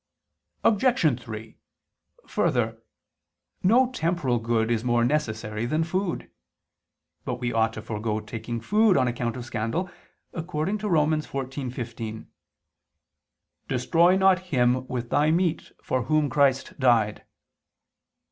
Obj. 3: Further, no temporal good is more necessary than food. But we ought to forego taking food on account of scandal, according to Rom. 14:15: "Destroy not him with thy meat for whom Christ died."